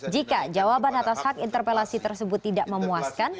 jika jawaban atas hak interpelasi tersebut tidak memuaskan